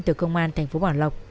từ công an tp bảo lộc